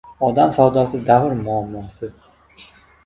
Odam savdosi – davr muammosi